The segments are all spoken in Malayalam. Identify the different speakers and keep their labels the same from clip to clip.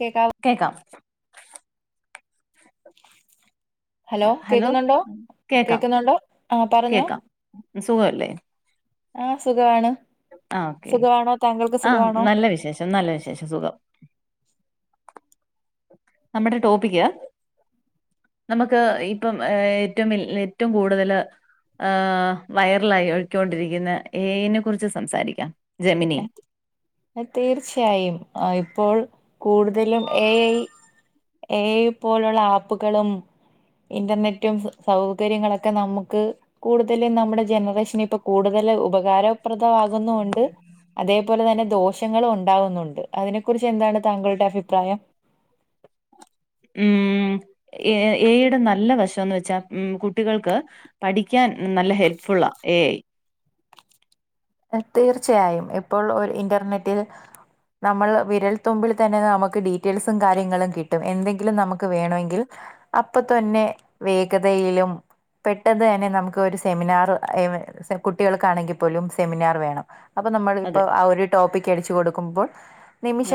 Speaker 1: കേക്കാവോ
Speaker 2: കേക്കാം ഹലോ കേക്കാം
Speaker 1: കേക്കുന്നുണ്ടോ ആ പറഞ്ഞോ
Speaker 2: കേക്കാം സുഖല്ലേ
Speaker 1: ആ സുഖാണ്
Speaker 2: ആ ഓക്കെ ആ
Speaker 1: സുഖമാണോ
Speaker 2: നല്ല വിശേഷം നല്ല വിശേഷം സുഖം നമ്മുടെ ടോപ്പിക്ക നമുക്ക് ഇപ്പം ഏ ഏറ്റ ഏറ്റവും കൂടുതല് ഏ വൈറലായിക്കൊണ്ടിരിക്കുന്ന എ ഐനെ കുറിച്ച് സംസാരിക്കാം ജെമിനി
Speaker 1: തീർച്ചയായും ഇപ്പോൾ കൂടുതലും എ ഐ എ ഐ പോലുള്ള ആപ്പുകളും ഇന്റർനെറ്റും സൗകര്യങ്ങളൊക്കെ നമുക്ക് കൂടുതലും നമ്മുടെ ജനറേഷൻ ഇപ്പ കൂടുതൽ ല്ല ഉപകാരപ്രദമാകുന്നുണ്ട്. അതെപോലെതന്നെ ദോഷങ്ങളുണ്ടാവുന്നുണ്ട് അതിനെ കുറിച്ച് എന്താണ് താങ്കളുടെ അഭിപ്രായം.
Speaker 2: ഉം. എ എയുടെ നല്ല വശംന്ന് വെച്ചാ കുട്ടികൾക്ക് പഠിക്കാൻ നല്ല ഹെൽപ്ഫുൾ. ഏ ഐ
Speaker 1: തീർച്ചയായും ഇപ്പോൾ ഒരു ഇന്റർനെറ്റിൽ. നമ്മൾ വിരൽ തുമ്പിൽ തന്നെ നമുക്ക് ഡീറ്റെയിൽസും കാര്യങ്ങളും കിട്ടും എന്തെങ്കിലും നമുക്ക് വേണമെങ്കിൽ. അപ്പൊ തന്നെ വേഗതയിലും. പെട്ടന്ന് തന്നെ നമുക്ക് ഒരു സെമിനാർ [unintelligible] കുട്ടികൾക്കാണെങ്കിൽ പോലും. സെമിനാർ വേണം അപ്പോൾ നമ്മൾ
Speaker 2: അതെ
Speaker 1: ഇപ്പോൾ ആ ഒരു ടോപ്പിക്ക് അടിച്ച് കൊടുക്കുമ്പോൾ.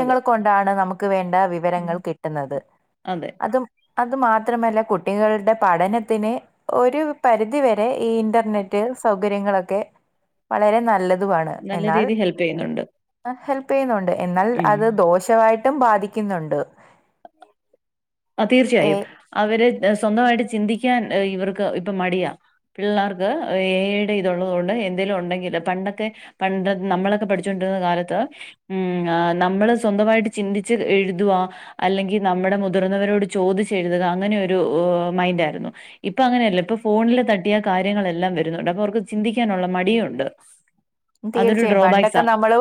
Speaker 2: അതെ
Speaker 1: കൊണ്ടാണ് നമുക്ക് വേണ്ട
Speaker 2: ഉം,
Speaker 1: വിവരങ്ങൾ കിട്ടുന്നത്
Speaker 2: അതെ
Speaker 1: അതും. അതു മാത്രമല്ല കുട്ടികളുടെ പഠനത്തിന് ഒരു പരിധിവരെ ഈ ഇന്റർനെറ്റ്. സൗകര്യങ്ങളൊക്കെ വളരെ നല്ലതുമാണ്
Speaker 2: നല്ല
Speaker 1: എന്നാൽ
Speaker 2: രീതിയിൽ ഹെൽപ്പ് ചെയ്യുന്നുണ്ട്
Speaker 1: ഹെൽ പ്പെയുന്നുണ്ട് എന്നാൽ
Speaker 2: ഉം
Speaker 1: അത് ദോഷമായിട്ടും ബാധിക്കുന്നുണ്ട്.
Speaker 2: ആ തീർച്ചയായും അവരെ. സ്വന്തമായിട്ട് ചിന്തിക്കാൻ ഇവർക്ക് ഇപ്പം മടിയ പിള്ളേർക്ക് ഏയ് ടെ ഇത് ഇള്ളതോണ്ട്. എന്തെലും ഉണ്ടെകിൽ പണ്ടൊക്കെ പണ്ട്‌ നമ്മളൊക്കെ പഠിച്ചുകൊണ്ടിരുന്ന കാലത്ത് നമ്മള്. സ്വന്തമായിട്ട് ചിന്തിച്ച് എഴുതുവാ അല്ലെങ്കിൽ നമ്മുടെ മുത്ത്. മുതിർന്നവരോട് ചോദിച്ച് എഴുതുക അങ്ങനെ ഒരു മൈന്റായിരുന്നു ഇപ്പൊ അങ്ങനെയല്ല ഇപ്പൊ ഫോണിൽ തട്ടിയ. കാര്യങ്ങളെല്ലാം വരുന്നുണ്ട് അപ്പൊ അവർക്ക് ചിന്തിക്കാനുള്ള മടിയുണ്ട്. അതൊരു
Speaker 1: തീർച്ചയായും പണ്ടൊക്കെ
Speaker 2: ഡ്രോബാക്സാ
Speaker 1: നമ്മള്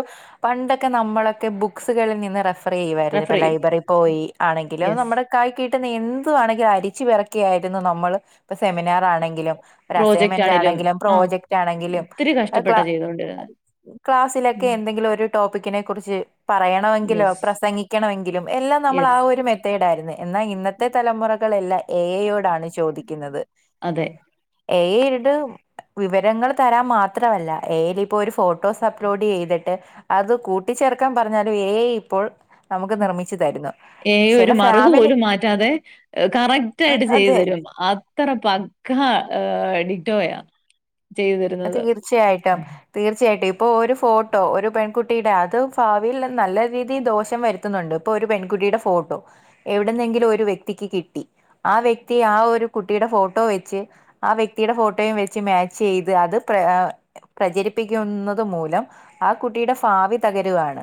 Speaker 1: പണ്ടൊക്കെ നമ്മളൊക്കെ ബുക്സുകളിൽ നിന്ന് റഫ്. ഫ്രീ ചെയമായിരുന്നു
Speaker 2: റെഫർ
Speaker 1: ഇപ്പൊ
Speaker 2: ചെയ്യും
Speaker 1: ലൈബ്രറി പോയി ആണെങ്കിലും
Speaker 2: യെസ്
Speaker 1: നമ്മുടെ കയി കി. പെട്ടെന്ന് എന്തുവാണെങ്കിലും അരിച്ചു പെറുക്കിയായിരുന്നു നമ്മൾ. ഇപ്പൊ സെമിനാർ ആണെങ്കിലും ഒരു
Speaker 2: പ്രോജക്റ്റ്
Speaker 1: അസൈൻമെന്റ്
Speaker 2: ആണേലും
Speaker 1: ആണെങ്കിലും
Speaker 2: ആഹ്
Speaker 1: പ്രോജക്റ്റ് ആണെങ്കിലും
Speaker 2: ഒത്തിരി
Speaker 1: ക്ല.
Speaker 2: [unintelligible]
Speaker 1: ക്ലാസ്സിലൊക്കെ എന്തെങ്കിലും ഒരു ടോപ്പിക്കിനെ കുറിച്ച് പറയണമെങ്കിലോ
Speaker 2: യെസ്
Speaker 1: പ്രസംഗിക്കണമെങ്കിലും എല്ലാം. നമ്മൾ ആ
Speaker 2: യെസ്
Speaker 1: ഒരു മെത്തേഡായിരുന്നെ. എന്നാ ഇന്നത്തെ തലമുറകള എല്ല എ ഐ ടാണ് ചോദിക്കുന്നത്.
Speaker 2: അതെ
Speaker 1: എ ഐട് വിവരങ്ങൾ തരാൻ മാത്രമല്ല എയി. ഇപ്പോ ഒരു ഫോട്ടോസ് അപ്ലൊഡ് ചെയ്തിട്ട്. അത് കൂട്ടിച്ചേർക്കാൻ പറഞ്ഞാലും എ ഐ ഇപ്പോൾ നമുക്ക് നിർമ്മിച്ച.
Speaker 2: ഏ ഒരു മറകുപോലും മാറ്റാതെ കറക്റ്റ് ആയിട്ട് ചെയ്തു
Speaker 1: അതെ
Speaker 2: തരും അത്ര പ. ക്കാ എഡിറ്റോയാ.
Speaker 1: തീർച്ചയായിട്ടും തീർച്ചയായിട്ടും. ഇപ്പോൾ ഒരു ഫോട്ടോ ഒരു പെൺകുട്ടിയുടെ അത് ഭാവിയിൽ നല്ല രീതിയിൽ ദോഷം വരുത്തുന്നുണ്ട് ഇപ്പോൾ ഒരു പെൺകുട്ടി. ട്ടിടെ ഫോട്ടോ എവിടുന്നെങ്കിലും ഒരു വ്യക്തിക്ക് കിട്ടി ആ വ്യക്തി ആ ഒരു കുട്ടിയുടെ ഫോട്ടോ വെ. ച് ആ വ്യക്തിയുടെ ഫോട്ടോയും വെച് മാച്ച് ചെയ്. യ്ത് പ്ര പ്രചരിപ്പിക്കുന്നത് മൂലം ആ കുട്ടിയുടെ ഫാവി തകരുവാണ്.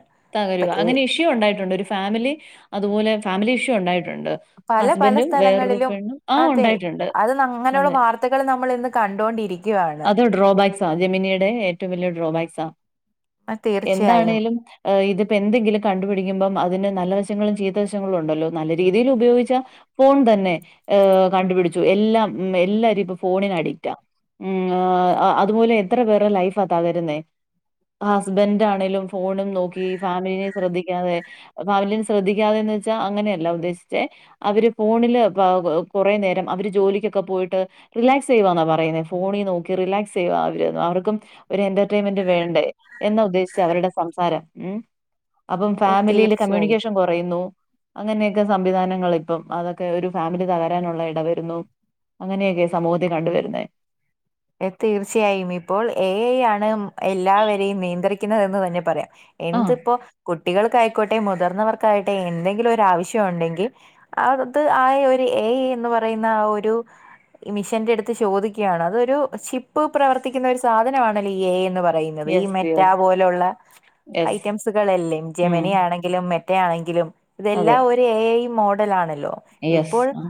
Speaker 1: അപ്പൊ
Speaker 2: തകരുവാ
Speaker 1: ഏ
Speaker 2: അങ്ങനെ ഇഷ്യൂ ഉണ്ടായിട്ടുണ്ട് ഒരു ഫാമിലി അതുപോലെ ഫാമിലി ഇഷ്യൂ ഉണ്ടായിട്ടുണ്ട്. ണ്ട്
Speaker 1: പല പല
Speaker 2: ഹസ്ബന്റും വേറൊരു
Speaker 1: സ്ഥലങ്ങളിലും
Speaker 2: പെണ്ണും ആ
Speaker 1: അതെ
Speaker 2: ഉണ്ടായിട്ടുണ്ട്
Speaker 1: അത് ന- അങ്ങനെയുള്ള
Speaker 2: അതെ.
Speaker 1: വാർത്തകൾ നമ്മൾ ഇന്ന് കണ്ടോണ്ടിരിക്കുവാണ്
Speaker 2: അത് ഡ്രോബാക്സാ ജെമിനിയുടെ ഏറ്റവും വലിയ ഡ്രോബാക്സാ.
Speaker 1: തീർച്ചയായും
Speaker 2: എന്താണെലും ഇതിപ്പോ എന്തെങ്കിലും കണ്ടുപിടിക്കുമ്പം അതിന് നല്ല. ചീതവശങ്ങളും ഉണ്ടല്ലോ നല്ല രീതിയിൽ ഉപയോഗിച്ച ഫോൺ തന്നെ കണ്ടുപിടിച്ചു എല്ലാം. ഉം എല്ലാരും ഇപ്പൊ ഫോണിന് അഡിക്റ്റാ. ഉ അതുമൂലം എത്ര പേറെ ലൈഫാതകരുന്നേ. ഹസ്ബൻറ് ആണെലും ഫോണും നോക്കി ഫാമിലിനെ ശ്രദ്ധിക്കാതെ ഫാമിലിന ശ്രദ്ധിക്കാതെ. വച്ചാ അങ്ങനെയല്ല ഉദ്ദേശിച്ചെ അവര് ഫോണില് കുറേ നേരം അവര് ജോലിക്കൊക്കെ പോയിട്ട്. റിലാക്സ് ചെയ്യവാന്നാ പറയന്നെ. ഫോണിൽ നോക്കി റിലാക്സ് ചെയ്യ അവർക്കും ഒരു എന്റർൈൻമെന്റ് വേണ്ടേ എന്ന ഉദ്ദേശിച്ച് അവരുടെ സംസാ. സാരം ഉ അപ്പം ഫാമിലിയില്
Speaker 1: തീർച്ചയായും
Speaker 2: കമ്മ്യൂണിക്കേഷൻ കുറയുന്നു. അങ്ങനെയൊക്കെ സംവിധാനങ്ങൾ ഇപ്പം അതൊക്കെ ഒരു ഫാമിലി തകരാനുള്ള ഇട വരുന്നു അങ്ങനെയൊക്കെ സമൂഹത്തേ കണ്ടുവരുന്നേ.
Speaker 1: തീർച്ചയായും ഇപ്പോൾ എ ഐ ആണ് എല്ലാവരെയും നിയന്ത്രിക്കുന്നുന്നത് എന്ന് തന്നെ പറയാം.
Speaker 2: ആ.
Speaker 1: എന്തിപ്പോ കു കുട്ടികൾക്കായിക്കോട്ടെ മുതിർന്നവർക്കായിട്ടെ എന്തെങ്കിലും ഒരു ആവശ്യം ഉണ്ടെങ്കിൽ അത് ആ ഒരു എ എ ഐ എന്ന് പറയുന്ന ആ ഒരു മിഷന്റെ അടുത്ത് ചോദിക്കയാണ് അതൊരു ചിപ്പ് പ്രവർത്തിക്കുന്ന ഒരു സാധനമാണല്ലോ എ ഐ എന്ന് പറ പറയുന്നത് ഈ
Speaker 2: യെസ്,
Speaker 1: മെറ്റ
Speaker 2: യെസ്,
Speaker 1: പോലുള്ള
Speaker 2: യെസ്.
Speaker 1: ഐറ്റംസ് കളല്ലാം
Speaker 2: ഉം.
Speaker 1: ജമനി ആണെങ്കിലും മെ റ്റ ആണെങ്കിലും
Speaker 2: അതെ.
Speaker 1: ഇതെല്ലാം ഒരു എ ഐ മോഡലാണല്ലോ
Speaker 2: യെസ്.
Speaker 1: ഇപ്പോൾ
Speaker 2: ആ.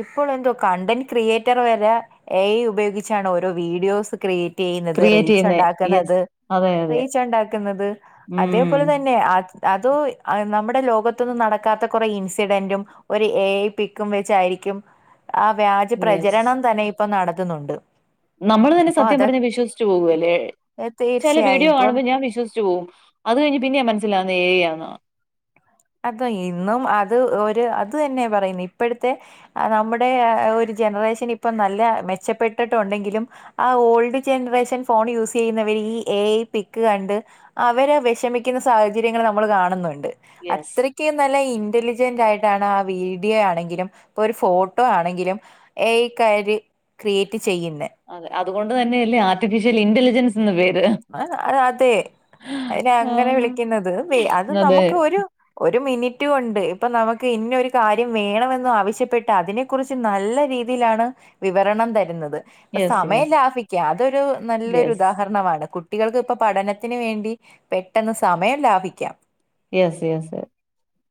Speaker 1: ഇ ഇപ്പോൾ എന്തോ കണ്ടന്റ് ക്രിയേറ്റർ വരെ എ ഐ ഉപയോഗിച്ചാണ് ഓരോ വീഡിയോസ് ക്രിയേ റ്റ് ചെയ്യുന്നത്
Speaker 2: ക്രിയേറ്റ്
Speaker 1: റീച്ച്
Speaker 2: ചെയ്യുന്നേ യെസ്
Speaker 1: ഉണ്ടാക്കുന്നത്.
Speaker 2: അതെ അതെ
Speaker 1: റീച്ച് ഉണ്ടാക്കുന്നത്
Speaker 2: ഉം
Speaker 1: അതേപോലെ തന്നെ ആ അതോയ് നമ്മുടെ ലോകത്തൊന്നും നടക്കാത്ത കുറെ ഇൻസിഡന്റും ഒരു എ ഐ പിക്കും വെച്ചായി രിക്കും ആ വ്യാജ
Speaker 2: യെസ്
Speaker 1: പ്രചരണം തന്നെ ഇപ്പൊ നടത്തുന്നുണ്ട്.
Speaker 2: നമ്മള് തന്നെ
Speaker 1: അപ്പൊ
Speaker 2: സത്യം
Speaker 1: അതൊ
Speaker 2: പറഞ്ഞ വിശ്വസിച്ചു പോകുവല്ലേ. ചെല വീഡിയോ
Speaker 1: തീർച്ചയായും ഇപ്പോൾ
Speaker 2: കാണുമ്പോ ഞൻ വിശ്വസിച്ച് പോവും അത് കഴിഞ്ഞ് പിന്നെ മനസ്സിലാവുന്ന ഏ ഐ ആണെന്ന്.
Speaker 1: അത ഇന്നും അത് ഒരു അത് തന്നെ പറയുന്ന ഇപ്പോഴത്തെ നമ്മുടെ ഒരു ജനറേഷൻ ഇപ്പം നല്ല മെച്ചപ്പെട്ടിട്ടുണ്ടെങ്കിലും ആ ഓൾഡ് ജൻറേഷൻ ഫോൺ യൂസ് ചെയ്യുന്നവ ഈ എ ഐ പിക്ക് കണ്ട് അവരെ വിഷമിക്കുന്ന സാഹചര്യങ്ങള് നമ്മൾ കാണുന്നുണ്ട്.
Speaker 2: യെസ്.
Speaker 1: റ്റി നല്ല ഇന്റലിജന്റ് ആയിട്ടാണ് ആ വീഡിയോ ആണെങ്കിലും ഇപ്പൊ ഒരു ഫോട്ടോ ആണെങ്കിലും എ ക്കാര് ക്രിയേറ്റ് ചെയ്യുന്ന.
Speaker 2: അത് കൊണ്ട് തന്നെ എല്ലേ ആർട്ടിഫിഷ്യൽ ഇന്റെലിജൻസ്.
Speaker 1: ആ അതെ അയ്ന അങ്ങനെ
Speaker 2: ആഹ്
Speaker 1: വിളിക്കുന്നത് വേ അത്
Speaker 2: അതെ
Speaker 1: നമ്മ്ക്ക് ഒരു ഒരു മിനി റ്റും ഉണ്ട് ഇപ്പൊ നമുക്ക് ഇന്നൊരു കാര്യം വേണമെന്ന ആവശ്യപ്പെട്ട് അതിനെ കുറിച്ച് നല്ല രീതിയിലാണ് വിവരണം തരുന്നത് ഇപ്പ
Speaker 2: യെസ്
Speaker 1: സമയം
Speaker 2: യെസ്
Speaker 1: ലാഭിക്ക അതൊരു നല്ലൊരു
Speaker 2: യെസ്
Speaker 1: ഉദാഹരണമാണ്. കുട്ടികൾക്ക് ഇപ്പൊ പഠനത്തിന് വേണ്ടി പെട്ടെന്ന് സമയം ലാഭിക്കാം
Speaker 2: യസ്സ് യസ്സ്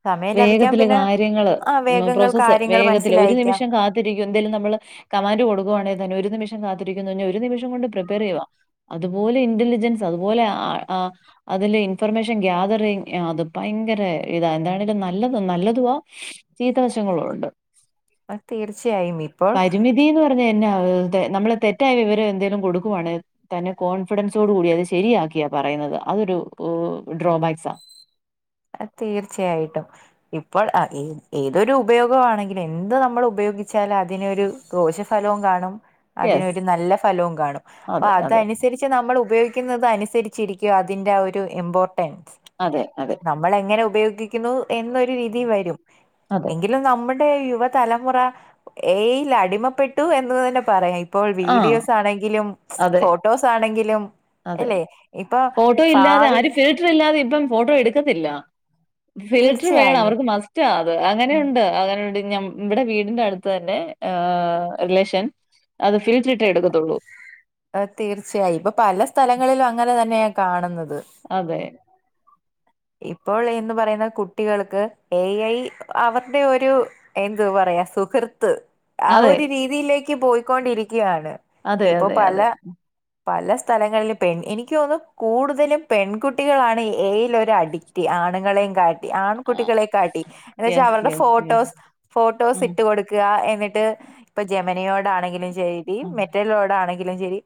Speaker 1: സമയം ലാഭിക്കാം
Speaker 2: വേഗത്തില്
Speaker 1: പിന്നെ
Speaker 2: കാര്യങ്ങള്
Speaker 1: ആ
Speaker 2: ഇന്ന
Speaker 1: വേഗങ്ങൾ
Speaker 2: പ്രോസസ്സ്
Speaker 1: കാര്യങ്ങൾ
Speaker 2: വേഗത്തില് ഒരു
Speaker 1: മനസ്സിലായിക്കാം
Speaker 2: നിമിഷം കാത്തിരിക്കും എന്തേലും നമ്മള് കമാന്റ് കൊടുക്കുവാണേ തന്നെ ഒരു നിമി ഷം കാത്തിരിക്കുന്നതന്നെ ഒരു നിമിഷം കൊണ്ട് പ്രിപ്പയർ ചെയ്യുവാ അതുപോലെ ഇന്റലിജൻസ് അതുപോലെ ആ ആ അതില് ഇൻഫർമേഷൻ ഗ്യാതറിങ് അത് ഭയങ്കര ഇതാ എന്താ നല്ലത് നല്ലതുവാ ചീത്തവശങ്ങളും ഉണ്ട്
Speaker 1: ആ, തീർച്ചയായും ഇപ്പോൾ
Speaker 2: പരിമിതീന്ന് പറഞ്ഞ എന്നാ അത്? നമ്മള് തെറ്റായ വിവരം എന്തേലും കൊടുക്കുവാണേൽ തന്നെ കോൺഫിഡൻസോടു കൂടി അത് ശരിയാക്കിയാ പറയുന്നത്. അതൊരു ഡ്രോബാക്സാ.
Speaker 1: തീർച്ചയായിട്ടും ഇപ്പോൾ ആ ഏതൊരു ഉപയോഗ ആണെങ്കിലും എന്ത് നമ്മൾ ഉപയോ ഗിച്ചാൽ അതിനൊരു ദോഷഫലവും കാണും
Speaker 2: യെസ്
Speaker 1: അതിനൊരു നല്ല ഫലവും കാണും അപ്പൊ
Speaker 2: അതെ അതെ
Speaker 1: അതനുസരിച്ച് നമ്മൾ ഉപയോഗി ക്കുന്നത് അനുസരിച്ചിരിക്ക അതിൻ്റെ ഒരു ഇമ്പോർട്ടൻ
Speaker 2: അതെ അതെ
Speaker 1: നമ്മൾ എങ്ങനെ ഉപയോഗിക്കുന്നു എന്നൊരു രിതീ വരും
Speaker 2: അതെ
Speaker 1: എങ്കിലും നമ്മുടെ തലമുറ എ ഐ അടിമപ്പെട്ടു എന്ന് തന്നെ പറയാം ഇപ്പോൾ
Speaker 2: ആഹ്
Speaker 1: വീഡിയോസ് ആണെങ്കിലും
Speaker 2: അതെ
Speaker 1: ഫോട്ടോസ് ആണെങ്കിലും
Speaker 2: അതെ
Speaker 1: അല്ലെ ഇപ്പൊ
Speaker 2: ഫോട്ടോ ഇല്ലാതെ
Speaker 1: ഭാവി
Speaker 2: ആര് ഫിൽട്ടർ ഇല്ലാതെ ഇപ്പം ഫോട്ടോ എടുക്കത്തില്ല ഫിൽറ്റർ വേണം
Speaker 1: തീർച്ചയായും
Speaker 2: അവർക്ക് മസ്റ്റ് അത്
Speaker 1: ഉം
Speaker 2: അങ്ങനെയുണ്ട് അങ്ങനെ ഒണ്ട് ഞ്ഞം ഇവിടെ വീടിന്റെ അടുത്ത് തന്നെ റിലേഷൻ അത് ഫിൽറ്റർ ഇട്ടേ എടുക്കത്തുള്ളൂ.
Speaker 1: തീർച്ചയായും ഇപ്പൊ പല സ്ഥലങ്ങളിലും അങ്ങനെ തന്നെയ കാണുന്നത്
Speaker 2: അതെ.
Speaker 1: ഇപ്പോൾ എന്ന് പറയുന്ന കുട്ടികൾക്ക് എ ഐ അവരുടെ ഒരു എന്ത് പറയ സുഹൃത്ത് ആ
Speaker 2: അതെ
Speaker 1: ഒരു രീതിയിലേക്ക് പോയിക്കൊണ്ടിരി ക്കാണ്
Speaker 2: അതെ
Speaker 1: ഇപ്പൊ
Speaker 2: അതെ
Speaker 1: പല
Speaker 2: അതെ
Speaker 1: പല സ്ഥലങ്ങളിലും പെൺ എനിക്ക് തോന്നുന്നു കൂടുതലും പെൺകുട്ടികളാണ് എഐയിലൊരടി ക്റ്റ്‌ ആണുങ്ങളെയും കാ ട്ടി ആൺകുട്ടികളെക്കാട്ടി എന്ന് വെച്ചാ
Speaker 2: യെസ്
Speaker 1: അവരുടെ
Speaker 2: യെസ് യെസ്
Speaker 1: ഫോട്ടോസ്, ഫോട്ടോസ്
Speaker 2: ആഹ്
Speaker 1: ഇട്ട് കൊടുക്കുക എന്നിട്ട് ഇപ്പ ജമനിയോടാണെങ്കിലും ശരി
Speaker 2: ആഹ്
Speaker 1: മെറ്റെലോടാണെങ്ക ളും ശരി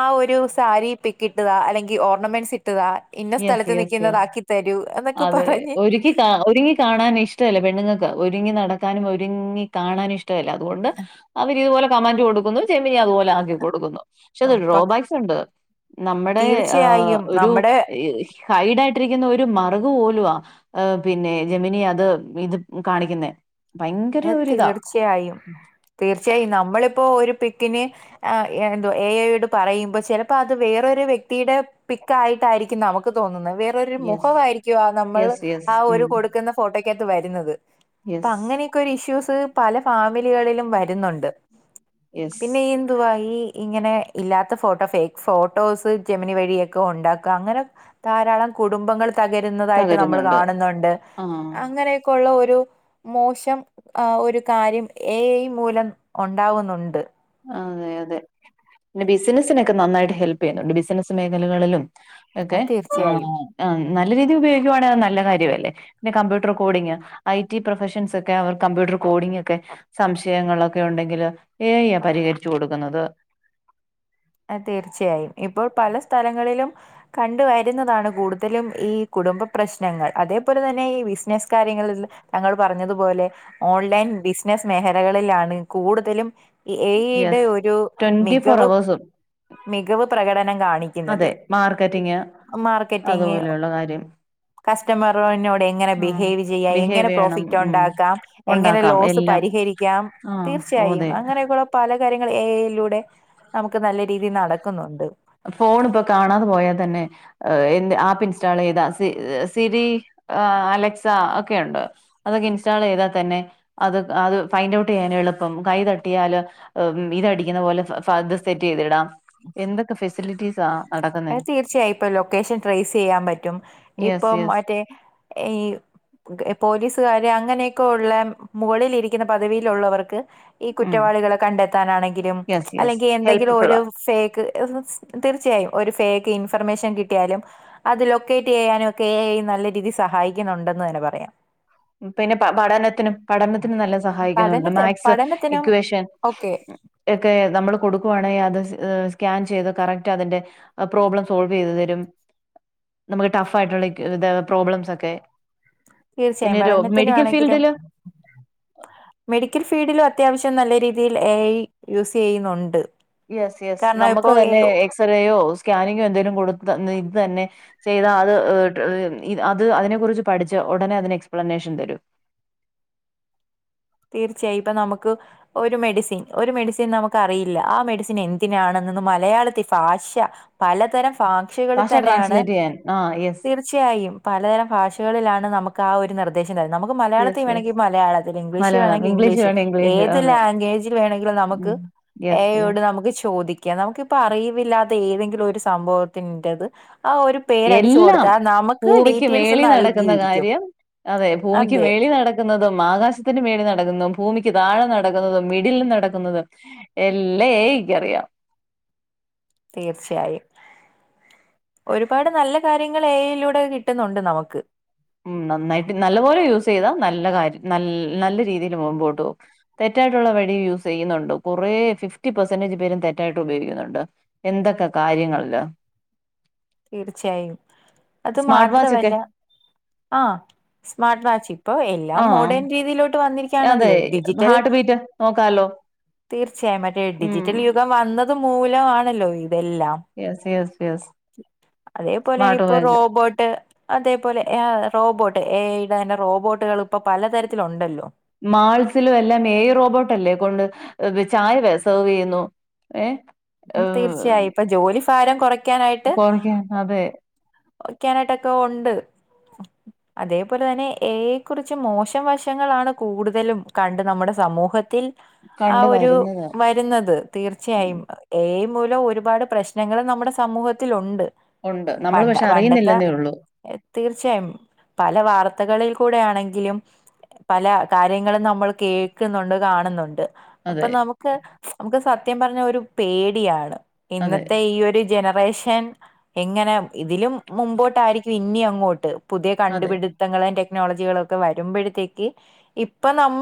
Speaker 1: ആ ഒരു സാരി പിക് ഇട്ടുതാ അല്ലെങ്കിൽ ഓർണമെൻസി താ ഇന്ന
Speaker 2: യെസ്
Speaker 1: സ്ഥലത്ത്
Speaker 2: യെസ് യെസ്
Speaker 1: നിൽക്കുന്നതാക്കി തരൂ എന്നൊക്കെ
Speaker 2: അതെ
Speaker 1: പറഞ്ഞ്
Speaker 2: ഒരുക്കി കാ ഒരുങ്ങി കാണാനിഷ്ടമില്ല പെണ്ണുങ്ങൾക്കാവും ഒരുങ്ങി നടക്കാനും ഒരുങ്ങി കാണാനും ഇഷ്ടവില്ല അതുകൊണ്ട് അവരിതുപോലെ കമാൻഡ് കൊടുക്കുന്നു ജെമിനി അതുപോലെ ആക്കി കൊടുക്കുന്നു പക്ഷെ
Speaker 1: ആ,
Speaker 2: അതിന്
Speaker 1: പ-
Speaker 2: ഡ്രോബാക്സ് ഉണ്ട്. നമ്മുടെ
Speaker 1: തീർച്ചയായും
Speaker 2: ഒരു
Speaker 1: നമ്മുടെ
Speaker 2: ഹൈഡായിട്ടിരി ക്കുന്ന ഒരു മറുക് പോലുവാ പിന്നെ ജെമിനി അത് ഇത് കാണിക്കുന്നെ
Speaker 1: പിന്നെ തീർച്ചയായും തീർച്ചയായും നമ്മളി ഇപ്പോ ഒരു പിക്കിന് എന്തോ എ ഐയോട് പറയുമ്പോ ചെലപ്പോ അത് വേറൊരു വ്യക്തിയുടെ ക്ക ആയിട്ടായിരിക്കും നമുക്ക് തോന്നുന്നത് വേറൊരു
Speaker 2: യെസ്.
Speaker 1: മുഖവായിരിക്കും ആ നമ്മൾ
Speaker 2: യെസ്, യെസ്.
Speaker 1: ആ ഒരു
Speaker 2: മ്മ്.
Speaker 1: കൊടുക്കുന്ന ഫോട്ടോയ്ക്കകത്ത് വരുന്നത്. അപ്പൊ
Speaker 2: യെസ്
Speaker 1: അങ്ങനെയൊക്കെ ഒരു ഇഷ്യൂസ് പല ഫാമിലികളിലും വരുന്നൊണ്ട്
Speaker 2: യെസ്.
Speaker 1: പിന്നെ എന്തുവാ ഈ ഇങ്ങനെ ഇല്ലാത്ത ഫോട്ടോ, ഫേക്ക് ഫോട്ടോസ്, ജെമിനി വഴിയൊക്കെ ഉണ്ടാക്കാം അങ്ങനെ ധാരാളം കുടുംബങ്ങൾ തകരുന്നതായിട്ട് നമ്മള്
Speaker 2: തകരുന്നുണ്ട്.
Speaker 1: കാണുന്നൊണ്ട്
Speaker 2: ആഹ്.
Speaker 1: അങ്ങനെയൊക്കെയൊള്ള ഒരു മോശം ആ ഒരു കാര്യം ഏ ഐ മൂലം ഒണ്ടാവുന്നൊണ്ട്
Speaker 2: ആ അതെ അതെ പിന്നെ ബിസിനസ്സിനൊക്കെ നന്നായിട്ട് ഹെൽപ് ചെയ്യുന്നൊണ്ട് ബിസിനസ്സ് മേഖലകളിലും ഒക്കെ
Speaker 1: അത്
Speaker 2: ആ
Speaker 1: തീർച്ചയായും
Speaker 2: ആ. നല്ല രീതീ ഉപയോഗിക്കുവാണെയത് നല്ല കാര്യവല്ലേ പിന്നെ computer coding I T professions ഒക്കെ അവർ കമ്പ്യൂട്ട റ് കോഡിങ് ഒക്കെ സംശയങ്ങളൊക്കെ ഉണ്ടെങ്കിൽ എ ഐ യാ പരിഹരിച്ചു കൊടുക്കുന്നത്.
Speaker 1: അ തീർച്ചയായും ഇപ്പോൾ പല സ്ഥലങ്ങളിലും കണ്ടു വരുന്നതാണ് കൂടുതലും ഈ കു ടുംബ പ്രശ്നങ്ങൾ അതേപോലെ തന്നെ ഈ ബിസിനസ്സ് കാര്യങ്ങളിൽ താങ്കൾ പറഞ്ഞതുപോലെ ഓൺലൈൻ ബിസിനസ് മേഖലകളിലാണ് കൂടുതലും ഈ എഐടെ
Speaker 2: യെസ്
Speaker 1: ഒരു
Speaker 2: ട്വന്റി ഫോർ
Speaker 1: മികവ്
Speaker 2: അവേഴ്സും
Speaker 1: മികവ് പ്രകടന കാണിക്കുന്നത്
Speaker 2: അതെ മാർക്കറ്റിങ്
Speaker 1: മാർക്കറ്റിങ്ങ്
Speaker 2: അതുപോലെയുള്ള കാര്യം
Speaker 1: കസ്റ്റമറോനോട് എങ്ങനെ
Speaker 2: ആഹ്
Speaker 1: ബിഹേവ് ചെയ്യാം എങ്ങനെ
Speaker 2: ബിഹേവ് ചെയ്യണം
Speaker 1: പ്രോഫിറ്റ്
Speaker 2: ഉം
Speaker 1: ഒണ്ടാക്കാം എങ്ങനെ
Speaker 2: ഉണ്ടാക്കാം
Speaker 1: ലോസ് പ
Speaker 2: എല്ലാം
Speaker 1: രിഹരിക്കാം,
Speaker 2: ആഹ് ഓ
Speaker 1: തീർച്ചയായും
Speaker 2: അതെ
Speaker 1: അങ്ങനൊക്കെയൊള്ള പല കാര്യങ്ങൾ എ ഐയിലൂടെ നമുക്ക് നല്ല രീതിയിൽ നടക്കുന്നൊണ്ട്.
Speaker 2: ഫോൺ ഇപ്പൊ കാണാതെ പോയാൽ തന്നെ എന്ത്‌ ആപ്പ് ഇൻസ്റ്റാൾ ചെയ്താ സിരി ആ അലക്സ ഒക്കെ ഒണ്ട് അതൊക്കെ ഇൻസ്റ്റാള് ചെയ്താ തന്നെ അത് അത് ഫൈൻഡ് ഔട്ട് ചെയ്യാനും എളുപ്പം, കൈ തട്ടിയാല് ഇതടിക്കുന്നപോലെ അ ഫ സെറ്റ് ചെയ്തിടാം, എന്തൊക് ക്കെ ഫെസിലിറ്റീസാ
Speaker 1: തീർച്ചയായും, ഇപ്പൊ ലൊക്കേഷൻ ട്രേസ് ചെയ്യാൻ പറ്റും,
Speaker 2: യെസ്
Speaker 1: ഇപ്പം
Speaker 2: യെസ്
Speaker 1: മറ്റേ ഈ പോലീസുകാര് ര് അങ്ങനെയൊക്കെ ഒള്ള മുകളിലിരിക്കുന്ന പദവിയിലുള്ളവർക്ക് ഈ
Speaker 2: ഉം
Speaker 1: കുറ്റവാളികളെ കണ്ടെത്താനാണെങ്കിലും
Speaker 2: യെസ് യെസ്
Speaker 1: അല്ലെങ്കിൽ എന്തെങ്കിലും ഒരു
Speaker 2: ഹെൽപ്ഫുള്ളാ
Speaker 1: ഫേക്ക്, തീർച്ചയായും ഒരു ഫേക്ക് ഇൻഫർമേഷൻ കിട്ടിയാലും അത് ലൊക്കേറ്റ് ചെയ്യാനും ഒക്കെ എ ഐ നല്ല രീതി സഹായിക്കുന്നുണ്ടെന്ന് തന്ന ന്നെ പറയാം.
Speaker 2: പിന്നെ പ പഠനത്തിനും, പഠനത്തിനും നല്ല സഹായിക്കുന്നുണ്ട്
Speaker 1: പഠനത്തെ
Speaker 2: മാത്സ്
Speaker 1: പഠനത്തിനും
Speaker 2: ഇക്വേഷൻ
Speaker 1: ഓക്കെ
Speaker 2: ഒക്കെ നമ്മള് കൊടുക്കുവാണെങ്കിൽ അത് സ്കാൻ ചെയ്ത് കറക്റ്റ് അതിന്റെ പ്രോബ്ലം സോൾവ് ചെയ്ത് തരും. നമുക്ക് ടഫ് ആയിട്ടുള്ള ഇക്യോ ഇതാ പ്രോബ്ലംസ് ഒക്കെ പിന്നെ
Speaker 1: തീർച്ചയായും
Speaker 2: രോ
Speaker 1: പഠനത്തിന്
Speaker 2: മെഡിക്കൽ
Speaker 1: ആണെങ്കിലും
Speaker 2: ഫീൽഡില്
Speaker 1: മെഡിക്കൽ ഫീൽഡില അത്യാവശ്യം നല്ല രീതിയിൽ എഐ യൂസ് ചെയ്യുന്നുണ്ട്
Speaker 2: യെസ് യെസ്
Speaker 1: കാരണം
Speaker 2: ഞമ്മക്ക് തന്നെ
Speaker 1: ഇപ്പോ
Speaker 2: എക്സ്റേയോ സ്കാനിങ്ങോ എന്തേലും കൊട് തന്നയി ഇതന്നെ ചെയ്താ അത് ഏഹ് ട്ട് ഇന് ഇത് അത് അതിനെ കുറിച്ച് പഠിച്ച് ഉടനെ അതിന് എക്സ്പ്ലനേഷൻ തരും
Speaker 1: ഇത് ചെയ്താ നമ്മക്ക് ഒരു മെഡിസിൻ ഒരു മെഡിസിൻ നമുക്കറിയില്ലാ ആ മെഡിസിൻ എന്തിനാണന്ന്ന്ന് മ ലയാളത്തി ഫാഷ പലതരം
Speaker 2: ഭാഷ
Speaker 1: പാക്ഷക്കളിതന്നെയാണ്
Speaker 2: ട്രാൻസ്ലേറ്റ് ചെയ്യാൻ ആ യെസ്
Speaker 1: തീർച്ചയായും പലതരം ഭാഷകള്ലാ ണ് നമ്മക്ക് ആ ഒരു നിർദ്ദേശം തരുന്നേ നമ്മക്ക് മലയാളത്തി
Speaker 2: യെസ് യെസ്
Speaker 1: വേണെങ്കി മലയാളത്തില് ഇംഗ്ലീഷ് റ്റ്
Speaker 2: മലയാളം
Speaker 1: വാണെങ്കി ഇംഗ്ലീഷ്
Speaker 2: വേണം ഇംഗ്ലീഷ്
Speaker 1: ഏത്
Speaker 2: അതെ
Speaker 1: ലാഗ്വേജിൽ വേണങ്കിലും നമുക്ക് എ
Speaker 2: യെസ്
Speaker 1: ഐ യോട്
Speaker 2: യെസ്
Speaker 1: നമുക്ക് ചോദി ക്ക്യാ നമ്മക്ക് ഇപ്പറിയിവ് ഇല്ലാത്തെ ഏതെങ്കിലും ഒരു സംഭവത്തിന്റത് ആ ഒരു പേരടിച്ചു
Speaker 2: എല്ലാം
Speaker 1: കൊടുത്താ നമക്ക്
Speaker 2: ഭൂമിക്ക്
Speaker 1: ഡീറ്റെയിൽസ്
Speaker 2: മേളിൽ നടക്കുന്ന
Speaker 1: നൽകിയിരിക്ക്യും
Speaker 2: കാര്യം അതെ ഭൂമിക്ക് മേളി നടക്കുന്നതും ആകാശത്തിന് മേളി ന ടക്കുന്നും ഭൂമിക്ക് താഴെ നടക്കുന്നതും മിഡിൽ നടക്കുന്നതും എല്ലാം എ ഐക്ക് അറിയാ
Speaker 1: തീർച്ചയായും ഒരുപാട് നല്ല കാര്യങ്ങള് എ ഐയിലൂടെ കിട്ടുന്നുണ്ട് നമക്ക്
Speaker 2: ഉം നന്നായിട്ട് നല്ല പോലെ യൂസെയ്താ നല്ല കാര്യ ന നല്ല രീതിയില് മുമ്പോട്ടോവും തെറ്റായിട്ടുള്ള വ ഴി യൂസെയ്യുന്നൊണ്ട് കൊറേ സിക്സ്റ്റി പെർസന്റേജ് പേരും തെറ്റായിട്ട് ഉപയോയിക്കുന്നുണ്ട് എന്തൊക്കെ കാര്യങ്ങള്ല്
Speaker 1: തീർച്ചയായും അത്
Speaker 2: സ്മാർട്ട് വാച്ച് ഒക്കെ
Speaker 1: മാത്രവല്ല ആഹ് സ്മാർട്ട് വാച്ച് ഇപ്പൊ എല്ലാം
Speaker 2: ആ
Speaker 1: മോഡേൺ രീതിയിലോട്ട്
Speaker 2: അതെ
Speaker 1: വന്നിരിക്കയാണല്ലോ ഡിജിറ്റൽ
Speaker 2: ഹാർട്ട് ബീറ്റ് നോക്കാലോ
Speaker 1: തീർച്ചയായും മറ്റേ
Speaker 2: ഉം
Speaker 1: ഡിജിറ്റൽ യുഗം വന്നത് മൂലാണല്ലോ ഇത്
Speaker 2: യസ് യസ് യസ്
Speaker 1: അതേപോലെ ഇപ്പോ റോബോട്ട് അതേപോലെ അഹ് റോ റോബോട്ട് എ ഐ ഈ പറഞ്ഞ റോബോട്ടുകള് ഇപ്പൊ പലതരത്തിലൊണ്ടല്ലോ
Speaker 2: മാൾസിലും എല്ലാം എ ഐ റോബോട്ടല്ലേ കൊണ്ട് ഏഹ് വെ ചായ വെ സെർവെയ്യുന്നു ഏഹ്
Speaker 1: ഉം
Speaker 2: ഏഹ്
Speaker 1: തീർച്ചയായും ഇപ്പൊ ജോലി ഫാരം കൊറയ്ക്കാനായിട്ട്
Speaker 2: കുറയ്ക്കാൻ അതെ
Speaker 1: ഒക്കാനായിട്ടൊക്കെ ഉണ്ട് അതേപോലെ തന്നെ എ ഐ കുറിച്ച് മോശം വശങ്ങളാണ് കൂടുതലും കണ്ട് നമ്മുടെ സമൂഹത്തിൽ ആ
Speaker 2: കണ്ട്
Speaker 1: ഒരു
Speaker 2: വരുന്നത്
Speaker 1: വരുന്നത് തീർച്ചയായും ഏ ഐ മൊ ല ഒരുപാട് പ്രശ്നങ്ങൾ നമ്മുടെ സമൂഹത്തിൽ ഉണ്ട്
Speaker 2: ഉണ്ട് നമ്മള്
Speaker 1: പണ്ട്
Speaker 2: പക്ഷെ
Speaker 1: പണ്ടത്തെ
Speaker 2: അറിയുന്നില്ലെന്നേ ഉള്ളൂ
Speaker 1: തീർച്ചയായും പല വാർ ത്തകളിൽ കൂടെ ആണെങ്കിലും പല കാര്യങ്ങളും നമ്മൾ കേൾക്കുന്നുണ്ട് കാണുന്നുണ്ട് അപ്പൊ
Speaker 2: അതെ
Speaker 1: നമുക്ക് നമുക്ക് സത്യം പറഞ്ഞ ഒരു പേടിയാണ്
Speaker 2: അതെ
Speaker 1: ഇന്നത്തെ ഈ ഒരു ജനറേഷൻ എങ്ങനെ ഇതിലും മുമ്പോട്ടായിരിക്കും ഇനി അങ്ങോട്ട് പുതിയ
Speaker 2: അതെ
Speaker 1: കണ്ടുപിടുത്തങ്ങളന്റെ ക്നോളജികളൊക്കെ വരുമ്പോഴത്തേക്ക് ഇപ്പ ന